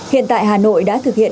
hiện tại hà nội đã thực hiện